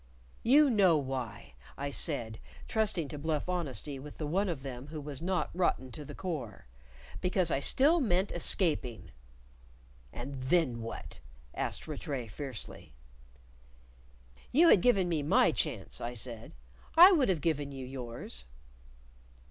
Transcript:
"You know why," I said, trusting to bluff honesty with the one of them who was not rotten to the core: "because I still meant escaping." "And then what?" asked Rattray fiercely. "You had given me my chance," I said; "I hould have given you yours."